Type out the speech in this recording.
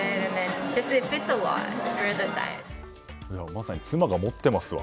まさに妻が持ってますわ。